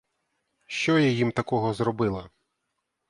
Що я їм такого зробила?